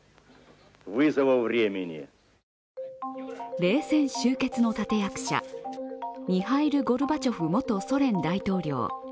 冷戦終結の立役者、ミハイル・ゴルバチョフ元ソ連大統領。